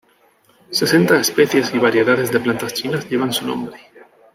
Sesenta especies y variedades de plantas chinas llevan su nombre.